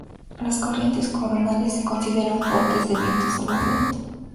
Las corrientes coronales se consideran fuentes del viento solar lento.